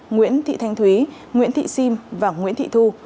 nguyễn thị thanh thúy nguyễn thị sim và nguyễn thị thu